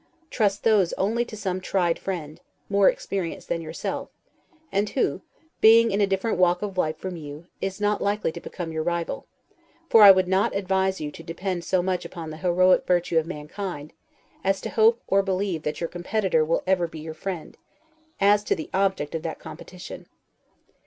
Trust those only to some tried friend, more experienced than yourself, and who, being in a different walk of life from you, is not likely to become your rival; for I would not advise you to depend so much upon the heroic virtue of mankind, as to hope or believe that your competitor will ever be your friend, as to the object of that competition.